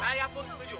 saya pun setuju